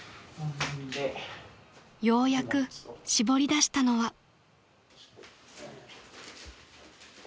［ようやく絞り出したのは］